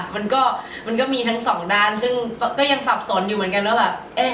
มันก็มีทั้งสองด้านยังซับสนอยู่เหมือนกัน